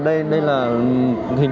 đây là hình thức góp vốn đúng không